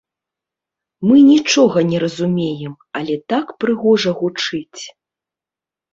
Мы нічога не разумеем, але так прыгожа гучыць.